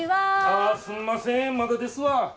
ああすんませんまだですわ。